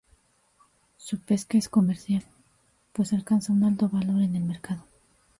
Su pesca es comercial, pues alcanza un alto valor en el mercado.